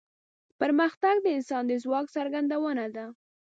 پرمختګ د انسان د ځواک څرګندونه ده.